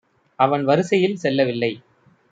அவன் வரிசையில் செல்லவில்லை.